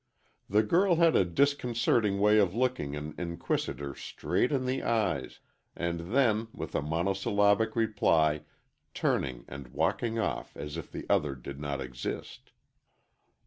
The girl had a disconcerting way of looking an inquisitor straight in the eyes, and then, with a monosyllabic reply, turning and walking off as if the other did not exist.